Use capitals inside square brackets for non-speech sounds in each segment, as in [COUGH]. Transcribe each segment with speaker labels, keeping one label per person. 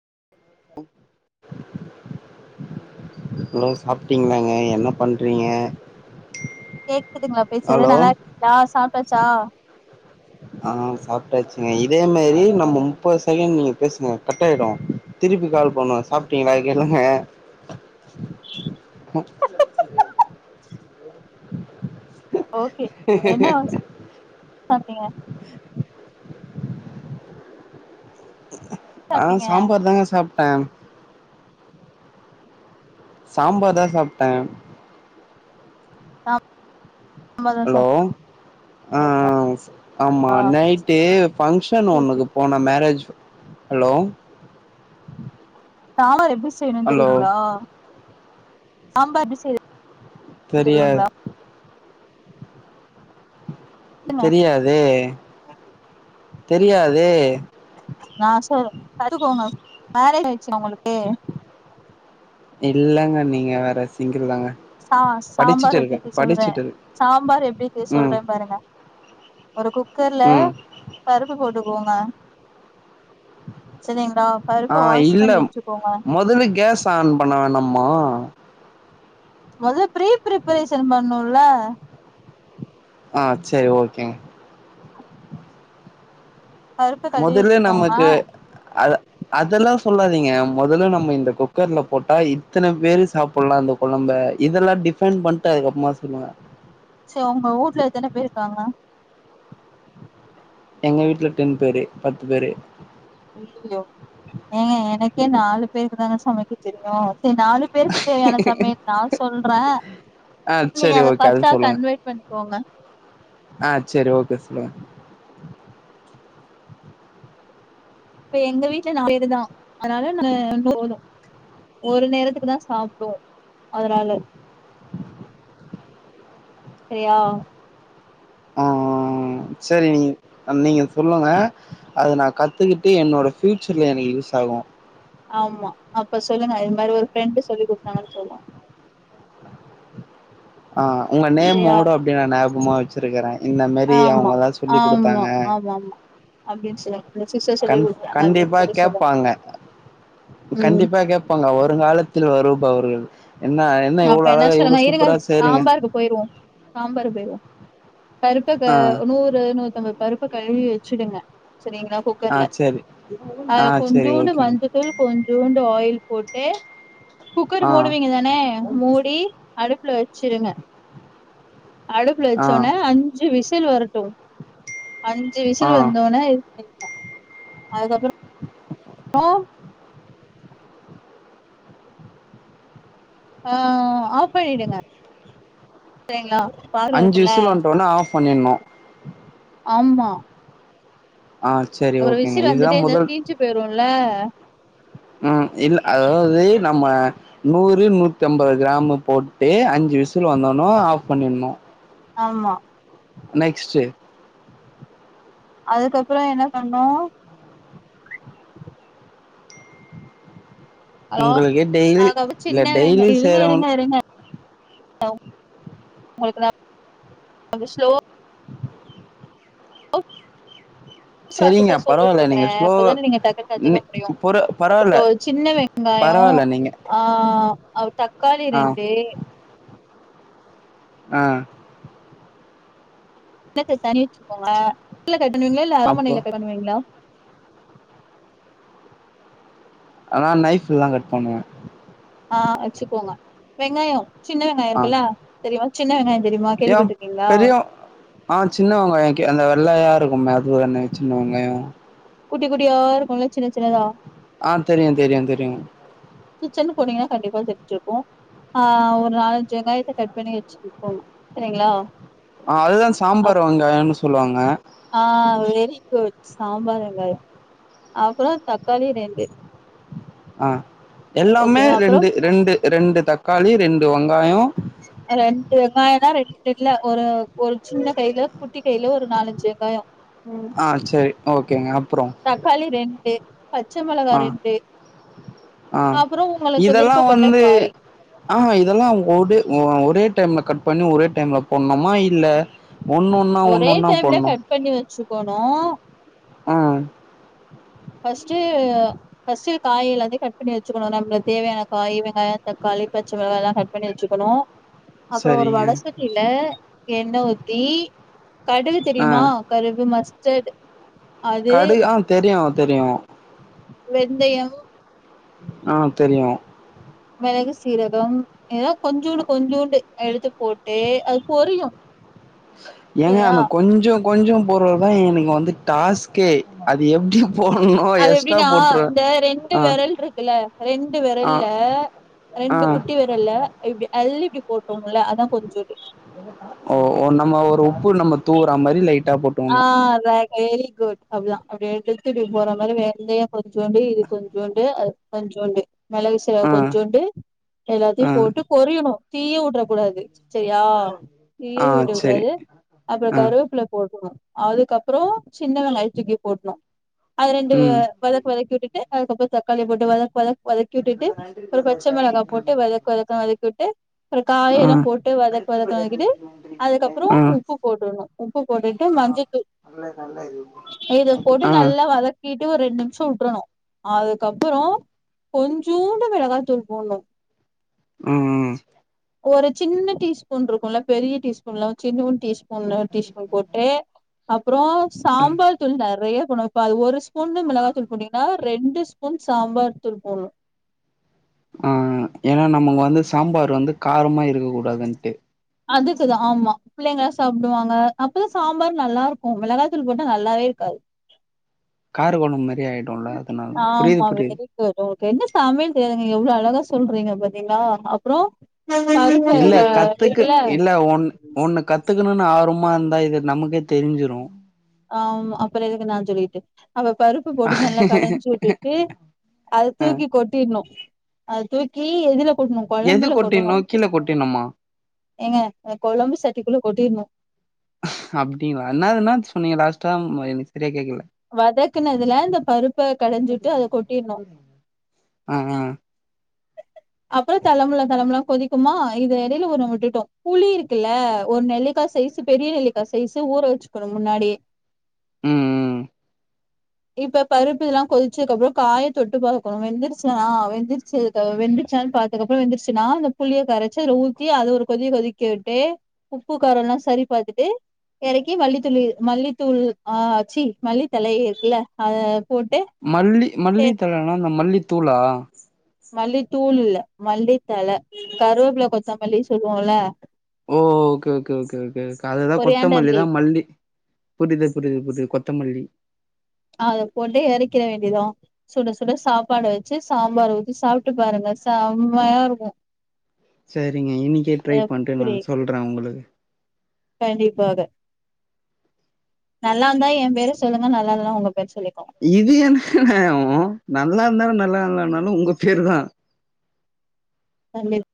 Speaker 1: [UNINTELLIGIBLE] Hello சாப்ட்டீங்களாங்க என்ன பண்றீங்க
Speaker 2: கேக்குதுங்களா பேசறது
Speaker 1: ஹலோ
Speaker 2: நல்லா இருக்கிங்களா சாப் டாச்சா
Speaker 1: ஆஹ் சாப்ட்டாச்சுங்க இதே மாரி நம்ம முப்பது செகண்ட் நீங்க பேசுங்க கட் ஆயிடு திருப்பி கால் பண்ணும் சாப்ட்டீங்களா கேளுங்க உ
Speaker 2: ஓகே என்ன சாப்ட்டீங்க
Speaker 1: ஆஹ்
Speaker 2: சாப்ட்டீங்க
Speaker 1: சாம்பார் தாங்க சாப் ட சாம்பார் தா சாப்ட்ட
Speaker 2: சாம்பார்தா
Speaker 1: ஹலோ
Speaker 2: சாப்ட்டீங்களா
Speaker 1: ஆஹ் ஆமா நைட்டு ஃபங்க்ஷன்
Speaker 2: சரி
Speaker 1: ஒண்ணுக்கு
Speaker 2: சரி
Speaker 1: போன மேரேஜ் ஹலோ
Speaker 2: சாம்பார் எப்டி செய்ணு
Speaker 1: ஹலோ
Speaker 2: தெரியுங்களா சாம்பார் எப்டி செய்ற
Speaker 1: தெரியாது
Speaker 2: சொல்லுங்க
Speaker 1: தெரியாதே தெரியாதே
Speaker 2: நா சொல் கத்துக்கோங்க மேரேஜ் ஆய்டுச்சா உங்களுக்கு
Speaker 1: இல்லங்க நீங்க வேற சிங்
Speaker 2: சா சாம்பார் எப்டிக்கு சொல்றே
Speaker 1: படிச்சுட்டு இருக்
Speaker 2: சாம்பார் எப்டிக்கு
Speaker 1: ம்
Speaker 2: சொல்றே பாருங்க ஒரு குக்கர்ல
Speaker 1: ம்
Speaker 2: பருப்பு போட்டுக்கோங்க சரிங்களா பருப்பு
Speaker 1: ஆஹ்
Speaker 2: வாஷ்
Speaker 1: இல்ல
Speaker 2: பண்ணி வச்சுக்கோங்க
Speaker 1: முதல்ல கேஸ் ஆன் பண்ண வேணாமா
Speaker 2: மொதல்ல பிரீ பிரிபரேஷன் பண்ணோல
Speaker 1: ஆஹ் செரி ஓகேங்க
Speaker 2: பருப்ப கழுவி
Speaker 1: முதல்ல
Speaker 2: வச்சுக்கோங்க
Speaker 1: நமக்கு அ அதெல்லா சொல்லாதீங்க முதல்ல நம்ம இந்த குக்கர்ல போட்டா இத்தன பேரு சாப்டலா இந்த குழம்ப இதெல்லா டிஃபெண்ட் பண்ட்டு அதுக்கப்றமா சொல்லுங்க
Speaker 2: செரி உங்க ஊட்ல எத்தன பேரு இருக்காங்க
Speaker 1: எங்க வீட்டுல டென் பேரு பத்து பேரு
Speaker 2: ஐய்யயோ ஏங்க எனக்கே நாலு பேரு தான் சமைக்க தெரியோ சரி நாலு பேருக்கு தேவையான சமைய நா சொல்ற
Speaker 1: ஆ
Speaker 2: நீங்க
Speaker 1: செரி
Speaker 2: அத
Speaker 1: ஓகே அது
Speaker 2: பத்தா
Speaker 1: சொல்லுங்க
Speaker 2: கன்வட் பண்ணிக்கோங்க
Speaker 1: ஆ செரி ஓகே சொல்லுங்க
Speaker 2: இப்ப எங்க வீட்ல நாலு பேருதா அதனால [UNINTELLIGIBLE] ஒரு நேரத்துக்கு தா சாப்டுவோ அதனால செரியா
Speaker 1: ஆஹ் சரி நீங் நீங்க சொல்லுங்க அது நா கத்துக்கிட்டு என்னோட பஃபியூச்சர்ல எனக்கு யூஸ் ஆகோ
Speaker 2: ஆமா அப்ப சொல்லுங்க இது மாரி ஒரு ஃபரெண்ட் சொல்லி கொடுத்தாங்க சொல்லுங்
Speaker 1: ஆஹ் உங்க
Speaker 2: சரியா
Speaker 1: நேம்வோட அப்டி நா ஞாபமா வச்சிருக்குற இந்த மாரி
Speaker 2: ஆமா
Speaker 1: அவங்கதா சொல்லிக்
Speaker 2: ஆமா
Speaker 1: குடுத்தாங்க
Speaker 2: ஆமா ஆமா அப்டின்னு சொல்லுங்க இந்த சிஸ்டர் சொல்லி
Speaker 1: கண்
Speaker 2: குடுத்தாங்க அப்டின்னு
Speaker 1: கண்டிப்பா
Speaker 2: சொல்லி சொல்லுங்க
Speaker 1: கேபாங்க
Speaker 2: ம்
Speaker 1: கண்டிப்பா கேபாங்க வருங்காலத்தில் வரு பவர்கள் என்ன என்ன
Speaker 2: அப்ப
Speaker 1: எவ்ளோ அழகா எவ்ளோ
Speaker 2: சொல்லுங்க இருங்க
Speaker 1: சூப்பரா ச
Speaker 2: சாம்பாருக்கு போயிர்வோ சாம்பாரு போய்ர்வோ பருப்பு க
Speaker 1: ஆ
Speaker 2: நூறு நூத்தம்பது பருப்ப கழுவி வச்சிடுங்க சரிங்களா
Speaker 1: ஆ
Speaker 2: குக்கர்ல
Speaker 1: சரி.
Speaker 2: அ
Speaker 1: ஆ சரி
Speaker 2: கொஞ்சோண்டு
Speaker 1: ஓகேங்க.
Speaker 2: மஞ்ச தூள் கொஞ்சூண்டு ஆயில் போட்டு குக்கர்
Speaker 1: ஆ
Speaker 2: மூடுவீங்க தானே மூடி அடுப்புல வெச்சிருங்க அடுப்புல
Speaker 1: ஆ
Speaker 2: வச்சோன அஞ்சு விசில் சில் வரு அஞ்சு
Speaker 1: ஆ
Speaker 2: விசிலூ வந்தோன அதுக்கப்புறம் ஓ ஆஹ ஆப் பண்ணிடுங்க சரிங்ளா
Speaker 1: அஞ்சு விசில் வந்டோன ஆப் பண்ணிணும்
Speaker 2: அப்புறம்
Speaker 1: ஓகேங்க.
Speaker 2: விசில் வந்துட்டே இரு தீஞ்சு போயிருல்ல
Speaker 1: உம் இல் அதாவது நம்ம நூறு நூத்தம்பது கிராம் போட்டு அஞ்சு விசில் வந்தநோ ஆஃப் பண்ணிணும்
Speaker 2: ஆமா
Speaker 1: நெக்ஸ்ட்டு
Speaker 2: அதுக்கப்புறோ என்ன பண்ணு ஹலோ
Speaker 1: உங்களுக்கே டெய்லி
Speaker 2: அதுக்கப்புறோ
Speaker 1: இல்ல
Speaker 2: சின்ன வெங்க
Speaker 1: டெய்லி
Speaker 2: இருங்க
Speaker 1: சேய்றவு
Speaker 2: இருங்க [INAUDIBLE] ஸ்லோவா
Speaker 1: சரிங்க
Speaker 2: ப்ராசஸா சொல்லி
Speaker 1: பரவால்ல
Speaker 2: குடுக்குறே
Speaker 1: நீங்க ஸ்லோ
Speaker 2: அப்பதான நீங்க டக்குனு
Speaker 1: நி
Speaker 2: கத்துக்க முடியு
Speaker 1: பொற பரவால்ல
Speaker 2: [INAUDIBLE] ஒரு சின்ன வெங்காயோ
Speaker 1: பரவால்ல நீங்க
Speaker 2: ஆஹ் அவ் தக்காளி
Speaker 1: ஆ
Speaker 2: ரெண்டு
Speaker 1: ஆஹ்
Speaker 2: [INAUDIBLE] வெச்சுக்கோங்க‌ [INAUDIBLE] [INAUDIBLE] இல்ல
Speaker 1: அப்போ
Speaker 2: அருவாமனைல பண்வீங்களா
Speaker 1: ஆ நா நைஃப்‌லதா கட் பண்ணுவே
Speaker 2: ஆஹ் வெச்சுக்கோங்க வெங்காயோ சின்ன வெங்காயொ இருக்குல்ல தெரிமா சின்ன வெங்காய
Speaker 1: ஏம் பெரியோ ஆஹ் சின்னவெங்காயோ கே அந்த வெள்ளையா இருக்குமே அது தான சின்னவெங்காயோ
Speaker 2: குட்டி குட்டியா இருக்குல்ல சின்ன சின்னதா
Speaker 1: ஆஹ் தெரியு தெரியு தெரியு
Speaker 2: கிச்சனுக் போனீங்கன்னா கண்டிப்பா தெரிஞ்சிருக்கு ஆஹ் ஒரு நாலஞ்சு வெங்காயத்தை கட் பண்ணி வெச்சி [INAUDIBLE] சரிங்ளா
Speaker 1: ஆஹ் அதுதா சாம்பார் வெங்காயன்னு சொல்லுவாங் அ
Speaker 2: ஆஹ் வெரி குட் சாம்பார் வெங்காயோ அப்புறோ தக்காளி ரெண்டு
Speaker 1: அ எல்லாமே
Speaker 2: ஓகேவா அப்றோ
Speaker 1: ரெண்டு ரெண்டு ரெண்டு தக்காளி ரெண்டு வெங்காயோ
Speaker 2: அ ரெண்டு வெங்காயனா ரெண்டு இல்ல ஒரு ஒரு சின்ன கைல குட்டி கைல ஒரு நாலஞ்சு வெங்காயோ
Speaker 1: ஆ செரி ஓகேங்க அப்றோ
Speaker 2: தக்காளி ரெண்டு பச்ச மிளகா
Speaker 1: ஆ
Speaker 2: ரெண்டு
Speaker 1: ஆ
Speaker 2: அப்புறம் உங்களுக்கு
Speaker 1: இதெல்லா
Speaker 2: விருப்பப்பட்ட
Speaker 1: வந்து
Speaker 2: காய்
Speaker 1: ஆக இதெல்லா ஒடு ஒ ஒரே டைம்ல கட் பண்ணி ஒரே டைம்ல பொட்ணுமா இல்ல ஒன்னொன்னா
Speaker 2: ஒரே
Speaker 1: ஒன்னொன்னா
Speaker 2: டைம்ல
Speaker 1: போட்ணு
Speaker 2: கட் பண்ணி வெச்சுக்கோணு
Speaker 1: ம்
Speaker 2: ஃபஸ்ட்டு ஃபஸ்ட்டு இத காய் எல்லாத்தையு கட் பண்ணி வெச்சுக்கணு நம்மள தேவையான காய் வெங்காயோ தக்காளி பச்ச மெளகால்லா கட் பண்ணி வெச்சுக்கணு அப்பறோ ஒரு
Speaker 1: சரிங்க
Speaker 2: வடசட்டில எண்ண ஊத்தி கடுகு தெரியுமா கருகு மஸ் டேடு
Speaker 1: கடுகு ஆ தெரியு தெரியு
Speaker 2: வெந்தயம்
Speaker 1: ஆ தெரியு
Speaker 2: மெளகு சீரகம் ஏதா கொஞ்சோண்டு கொஞ்சோண்டு எடுத்து போட்டு அது பொரியு
Speaker 1: ஏங்க
Speaker 2: சரியா
Speaker 1: அன கொஞ்ச கொஞ்ச போட்றது தா எனக்கு வந்து டாஸ்க்கே அது எப்டி போடணு
Speaker 2: அது
Speaker 1: எக்ஸ்ட்ரா
Speaker 2: எப்டின்னா
Speaker 1: போட்ரு
Speaker 2: இந்த ரெண்டு
Speaker 1: ஆ
Speaker 2: விரல் இருக்குல்ல ரெண்டு
Speaker 1: ஆ
Speaker 2: விரல்ல
Speaker 1: ஆ
Speaker 2: ரெண்டு குட்டி விரல்ல இப்டி அள்ளி இப்டி போட்டோம்ல அதா கொஞ்சோண்டு
Speaker 1: ஓ நம்ம ஒரு உப்பு நம்ம தூவுற மாரி லைட்டா போட்டு
Speaker 2: ஆ அதங்க வெரி குட் அப்டிதா அப்டி எடுத்து இப்டி போற மாரி வெந்தயம் கொஞ்சோண்டு இது கொஞ்சோண்டு அது கொஞ்சோண்டு மிளகு சீரக
Speaker 1: ஆ
Speaker 2: கொஞ்சோண்டு எல்லாத்தையு
Speaker 1: ஆ
Speaker 2: போட்டு பொறியணு தீய வுட்றக் கூடாது சரியா தீய
Speaker 1: ஆ செரி
Speaker 2: விடக்கூடாது அப்ற
Speaker 1: ஆ
Speaker 2: கருவேப்பில்ல போடு அதுக்கப்பறோ சின்ன வெங்காயத்த தூக்கி போடணு அது ரெண்டு
Speaker 1: ம்
Speaker 2: வதக்கு வதக்கி விட்டுட்டு அதுக்கப்பற தக்காளிய போட்டு வதக் வதக் வதக்கி வுட்டுட்டு ஒரு பச்ச மிளகா போட்டு வதக் வதக் வதக்கி விட்டு அப்பற
Speaker 1: ஆ
Speaker 2: காயெல்லாம் போட்டு வதக் வதக் வதக்கிட்டு அதுக்கப்பற
Speaker 1: ஆ
Speaker 2: உப்பு போட்டுணும் உப்பு போட்டுட்டு மஞ்ச தூள் இது போட்டு
Speaker 1: ஆ
Speaker 2: நல்லா வதக் கிட்டு ஒரு ரெண்டு நிமிஷ வுட்டுறணு அதுக்கப்பறோ கொஞ்சோண்டு மிளகா தூள் போடணு
Speaker 1: ம் ம்
Speaker 2: ஒரு சின்ன டீஸ்பூன் இருக்குல்ல பெரிய டீஸ்பூன் இல்லாம சின்னுண்டு டீஸ்பூன் க்கும்ல டீ ஸ் ஏ அப் அப்றோ சாம்பார் தூள் நறைய இப்ப அது ஒரு ஸ்பூன் ல மிளகா தூள் போட்டீங்கனா ரெண்டு ஸ்பூன் சாம்பார் தூள் போட்ணு
Speaker 1: ஆ ஏன்னா நமக்கு வந்து சாம்பார் வந்து காரமா இருக்க கூடாதுன்ட்டு
Speaker 2: அதுக்கு தா ஆமா பிள்ளைங்கலா சாப்டுவாங்க அப்ப தா சாம்பார் நல்லா இருக்கு மிளகா தூள் போட்டா நல்லாவே இருக்காது
Speaker 1: காரக் கொழும்பு சரி ஆயிடும்ல அதனால தா புரிது
Speaker 2: ஆமா
Speaker 1: புரிது
Speaker 2: வெரி குட் உங்களுக்கு என்ன சமையல் தெரியாதுங்க எவ்ள அழகா சொல்றீங்க பாத்தீங்களா அப்றோ
Speaker 1: இல்ல
Speaker 2: பருப்பு அ
Speaker 1: கத்துக்கு
Speaker 2: இருக்குல
Speaker 1: இல்ல ஒன்னு ஒண்ணு கத்துக்கு இருக்கணுனு ஆர்வமா இந்தா இது நமக்கே தெரிஞ்சுரும்
Speaker 2: ஆ அப்பற எதுக்கு நா சொல்லிட்டு அப்ப பருப்பு போட்டு நல்லா கடைஞ்சு விட்டுட்டு அத
Speaker 1: ஆ
Speaker 2: தூக்கி கொட்டிட்ணு அது தூக்கி எதுல கொட்ணு
Speaker 1: எது
Speaker 2: கொழம்புல கொட்டணு
Speaker 1: கொட்டிடணு கீழ கொட்டினுமா
Speaker 2: ஏங்க அந்த கொழம்பு சட்டிக்குள்ள கொட்டிட்ணு
Speaker 1: அப்டிங்களா என்னதுனா இப்ப நீங்க லாஸ்ட்டா ம் எனக்கு சரியா கேக்கல
Speaker 2: வதக்குனதுல இந்த பருப்ப கடைஞ்சுட்டு அத கொட்டிடணு
Speaker 1: ஆ ஆ
Speaker 2: அப்புற தலமுல தலமுலனு கொதிக்குமா இது இடையில ஒண்ணு விட்டுட்டோ புளி இருக்குல்ல ஒரு நெல்லிக்கா சைஸ் பெரிய நெல்லிக்கா சைஸு ஊற வெச்சுக்கணு முன்னாடி
Speaker 1: உஹம் உஹம்
Speaker 2: இப்ப பருப்பு எல்லா கொதிச்சக்கப்புறோ காய தொட்டு பாக்கணு வெந்திருச்சா வெந்திருச்சு வெந்திருச்சானு பாத்ததுக்கப்புறோ வெந்துருச்சுன்னா அந்த புளிய கரச்சு ஊத்தி அது ஒரு கொதி கொதிக்க விட்டு உப்பு காரோ எல்லா சரி பாத்துட்டு இறக்கி மல்லித்தூளி மல்லித்தூள் ஆஹ் ஆ சீ மல்லித்தழ இருக்குல்ல அத
Speaker 1: மல்லி மல்லித்தழ நா மல்லித்தூளா
Speaker 2: மல்லித்தூள் இல்ல மல்லித்தழ கருவேப்புல கொத்தமல்லி சொல்லுவோல்ல
Speaker 1: ஓ ஓகே ஓகே ஓகே ஓகே அதுதா
Speaker 2: கொரியாண்டர்
Speaker 1: கொத்தமல்லி
Speaker 2: லீ
Speaker 1: தா மல்லி புரிது புரிது புரிது கொ கொத்தமல்லி
Speaker 2: அத போட்டு இறைக்கிற வேண்டிதா சுட சுட சாப்பாட வச்சு சாம்பார் ஊத்தி சாப்ட்டு பாருங்க செம்மயா இருக்கு
Speaker 1: சரிங்க இன்னிக்கே ட்ரை பண்ணிட்டு நா
Speaker 2: எப்டி
Speaker 1: சொல்ற உங்களுக்கு
Speaker 2: கண்டிப்பாக நல்லா இந்தா என் பேரு சொல்லுங்க நல்லா இல்லனா உங்க பேர சொல்லிக்கோங்க
Speaker 1: இது என்னங்க நாயம் நா நல்லா இந்தாலு நல்லா இல்லனாலு உங்க பேரு தா
Speaker 2: தண்ணீர்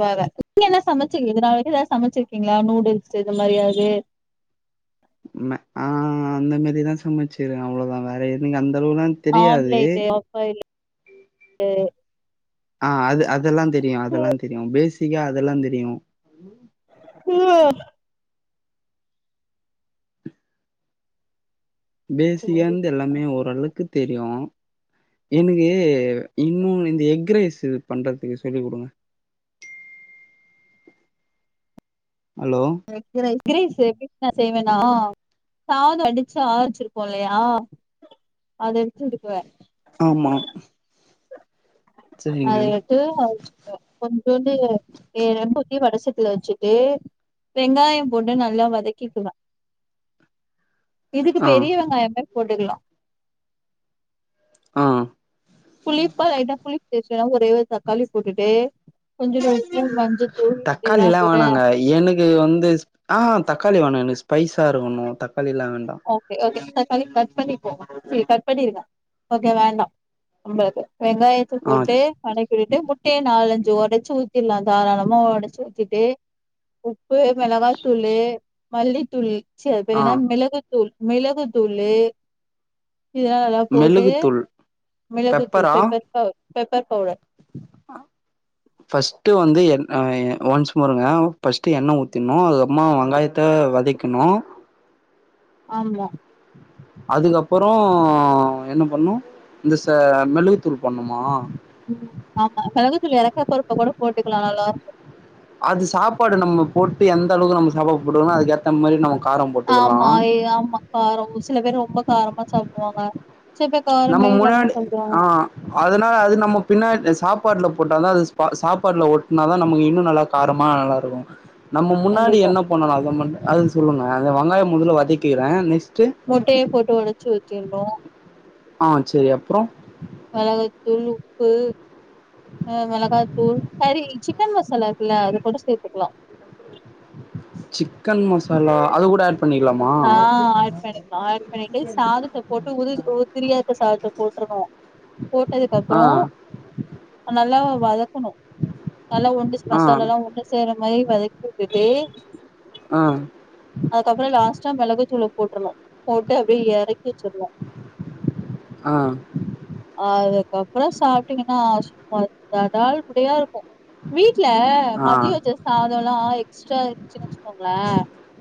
Speaker 2: வேற நீங்க என்ன சமச்சீங்க இத நாள் வரைக்கு எதா சமைச்சிருக்கீங்களா நூடுல்ஸ் இது மாரி எதாவது
Speaker 1: ஆஹ் அந்த மாரிதா சமைச்சிரு அவ்ளதா வேற எதுனாலு அந்த அளவு எல்லா தெரியாது
Speaker 2: ட்டு
Speaker 1: ஆஹ் அது அதெல்லாந் தெரியு அதெல்லாந் தெரியு‌ ‌வெஜ் தியா அதெல்லாந் தெரியு
Speaker 2: ஆஹ்
Speaker 1: [INAUDIBLE] பேசிக்கான்து எல்லாமே ஓரளக்கு தெரியு எனக்கு இன்னொன்னு இந்த எக் ரைசு பண்றதுக்கு சொல்லிக் குடுங்க hello
Speaker 2: egg rice egg rice எப்படி நா செய்வேன்னா சாதோ அடிச்சு ஆர வெச்சிருக்கோ இல்லயா அத [UNINTELLIGIBLE]
Speaker 1: ஆமா
Speaker 2: அத
Speaker 1: சரிங்க
Speaker 2: விட்டு அடிச்சிட்டுக்குவ கொஞ்சோண்டு ஏ ரொம்ப கி வடசட்டில வெச்சுட்டு வெங்காயம் போட்டு நல்லா வதக்கிக்குவ இதுக்கு
Speaker 1: ஆ
Speaker 2: பெரிய வெங்காயமே போட்டுக்கலா
Speaker 1: ஆ
Speaker 2: புளிப்பா எதா புளி பேஸ் ஏங் ஒரே ஒரு தக்காளி போட்டுட்டு கொஞ்சோண்டு உப்
Speaker 1: தக்காளில்லா வேணாங்க எனக்கு வந்து ஆஹா தக்காளி வேணா எனக்கு ஸ்பைஸ் க்டா இருக்கணூ தக்
Speaker 2: ஓகே ஓகே தக் காளி கட் பண்ணிப்போ சி கட் பண்ணிடுங்க ஓகே வேண்டா நம்ளுக்கு வெங்காயத்த
Speaker 1: ஆ
Speaker 2: போட்டு வதக்கி விட்டு முட்டைய நாலஞ் சு ஒடச்சு ஊத்திட்லா தாராளமா ஒடச்சி ஊத்திட்டு உப்பு மெளகாத்தூளு மல்லித்தூள் சீ அது
Speaker 1: ஆ
Speaker 2: பேரின்னா மெளகுத் தூள் மிளகுதூளு இத எல்லா போட்டு
Speaker 1: மெழுகுத்தூள்
Speaker 2: மிளகுத்தூள்
Speaker 1: பெப்பரா
Speaker 2: பெப்பர் பவ் பெப்பர் பவுடர்
Speaker 1: ஆ ய ஒன்ஸ் மோருங்க ஃபஸ்ட்டு எண்ண ஊத்திக்ணூ அதுக்கப்பமா வெங்காயத்த வதக்கிணூ
Speaker 2: ஆம்மா
Speaker 1: அதுக்கப்றோ என்ன பண்ணூ இந்த ச மெளகுத்தூள் போட்ணுமா
Speaker 2: ம் ஆமா கருவேப்பில எறக்கப்றோ கூட போட்டுக்கலா நல்லாருக்கூ
Speaker 1: அது சாப்பாடு நம்ம போட்டு எந்தளவுக்கு நம்ம சாப்பாடு போட்டுக்கணு அதுக்கேத்த மாரி நமக்
Speaker 2: ஆமா ஏ ஆமா காரோ சில பேர் ரொம்பக் காரமா சாப்டுவாங்க சில பேர்
Speaker 1: நம்ம
Speaker 2: காரமே இல்லாம
Speaker 1: முன்னாடி
Speaker 2: சாப்டுவாங்க
Speaker 1: ஆ அத்னால அது நம்ம பின்னாட் ஆ சாப் பாட்ல போட்டாலூ அது ஸ்பா சாப்பாட்ல ஒட்னாதா நமக்கு இன்னூ நல்லா காரமா நல்லாருக்கூ நம்ம முன்னாடி
Speaker 2: கண்டிப்பா
Speaker 1: என்ன பண்ணனூ அத மண்ண அது சொல்லுங்க அந்த வெங்காயோ முதல வதைக்கிறே நெக்ஸ்ட்
Speaker 2: முட்டைய போட்டு ஒடச்சு ஊத்திர் ணோ
Speaker 1: ஆ செரி அப்றோ
Speaker 2: மெளகுத்தூள் உப்பு ஆ மெளகாத்தூள் கறி சிக்கன் மசாலா இருக்குல்ல அது கூட சேத்துக்லா
Speaker 1: சிக்கன் மசாலா அது கூட ஆட் பண்ணிக்கலாமா
Speaker 2: ஆ ஆட் பண்ணிக்லா ஆட் பண்ணிட்டு சாதத்த போட்டு உதிர் உதிரியா க சாதத்த போட்ருவோ
Speaker 1: ஆ
Speaker 2: போட்டதுக்கப்றோ நல்லா வதக்கணூ நல்லா ஒண்டு
Speaker 1: ஆ
Speaker 2: மசாலாலா ஒண்டு சேர்ற மாரி வதக் தூக்கிட்டு
Speaker 1: ஆ
Speaker 2: அதுக்கப்றோ லாஸ்ட் ளகுத்தூள போட்டுர்ணூ போட்டு அப்டியே எறக்கி வச்சுர்ணோ
Speaker 1: ஆ
Speaker 2: அதுக் அதுக்கப்புறம் சாப்பிட்டீங்கன்னா சும்மா தடால்புடியா இருக்கு வீட்ல
Speaker 1: ஆ
Speaker 2: மதிய வச்ச சாத எல்லா எக்ஸ்ட்ரா இருந்ச்சு வச்சுக்கோங்களே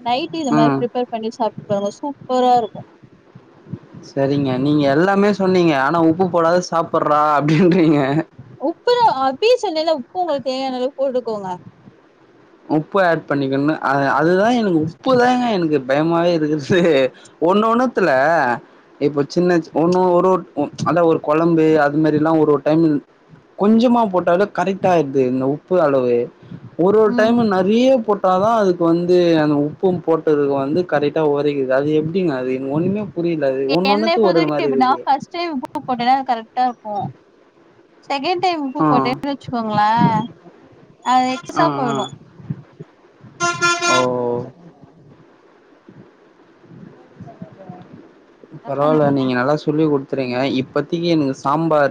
Speaker 2: நைட்டு இந்த மாரி
Speaker 1: ம்
Speaker 2: ப்ரிப்பேர் சாப்ட்டு பாருங்க சூப்பரா இருக்கு
Speaker 1: சரிங்க நீங்க எல்லாமே சொன்னீங்க ஆனா உப்பு போடாது சாப்பிடுறா அப்படின்றீங்க
Speaker 2: உப்புலா அப்பயே சொன்னேன்ல உப்பு உங்களுக்கு தேவையான அளவுக்கு போட்டுக்கோங்க
Speaker 1: உப்ப ஆட் பண்ணிக்கணனு அ அதுதா எனக்கு உப்புதாங்க எனக்கு பயமாவே இருக்குது ஒண்ணு ஒண்ணுத்துல இப்ப சின்ன ஒண்ணு ஒரு அத ஒரு கொழம்பு அது மாதிரி லா ஒரு டைம் கொஞ்சமா போட்டாலே கரெக்ட் ஆயிருது இந்த உப்பு அளவு
Speaker 2: ம்
Speaker 1: டைம் நறைய போட்டாதா அதுக்கு வந் து அந்த உப்பும் போட்டதுக்கு வந்து கரெக்டா ஒரைக்குது அது எப்படிங்க அது ஒன்னுமே
Speaker 2: என்னய பொறுத்த வரைக்கும் எப்புடின்னா ஃபர்ஸ்ட் டைம் உப்பு போடுறதே கரெக்ட் ஆ இருக் கு செகண்ட் டைம் உப்பு
Speaker 1: ஆ
Speaker 2: போட்டேன்னு வச்சுக்கோங்களே அது
Speaker 1: ஆ
Speaker 2: எக்ஸ்ட்ரா
Speaker 1: ஆ
Speaker 2: போயிடும்
Speaker 1: ஓ
Speaker 2: என்ன
Speaker 1: பரவால்ல
Speaker 2: பண்றது
Speaker 1: நீங்க நல்லா சொல்லி குடு றீங்க இப்பத்திக்கு எனக்கு சாம்பார்